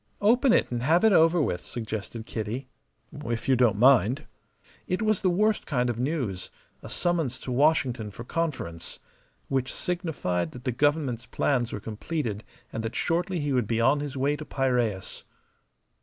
"Open it and have it over with," suggested Kitty. "If you don't mind." It was the worst kind of news a summons to Washington for conference. Which signified that the Government's plans were completed and that shortly he would be on his way to Piraeus.